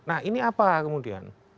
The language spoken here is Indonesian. nah ini apa kemudian